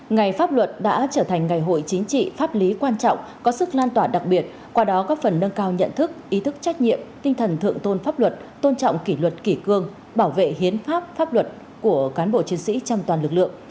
ngày pháp luật đã trở thành ngày hội chính trị pháp lý quan trọng có sức lan tỏa đặc biệt qua đó có phần nâng cao nhận thức ý thức trách nhiệm tinh thần thượng tôn pháp luật tôn trọng kỷ luật kỷ cương bảo vệ hiến pháp pháp luật của cán bộ chiến sĩ trong toàn lực lượng